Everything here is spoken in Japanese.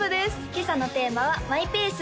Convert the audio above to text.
今朝のテーマは「マイペース」